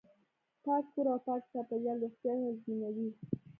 پاک کور او پاک چاپیریال روغتیا تضمینوي.